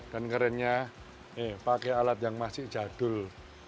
dan kerennya pakai alat yang masih jadul